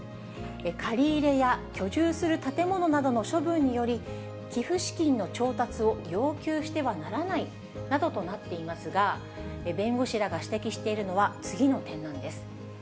借り入れや居住する建物などの処分により、寄付資金の調達を要求してはならないなどとなっていますが、弁護士らが指摘しているのは、次の点なんです。